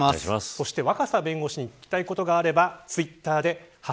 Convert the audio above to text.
若狭弁護士に聞きたいことがあればツイッターで＃